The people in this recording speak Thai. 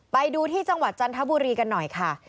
ไปดูที่จังหวัดจันทบุรีกันหน่อยค่ะ